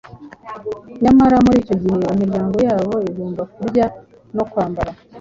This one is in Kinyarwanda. nyamara muri icyo gihe imiryango yabo igomba kurya no kwambara.